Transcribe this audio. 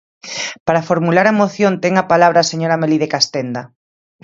Para formular a moción ten a palabra a señora Melide Castenda.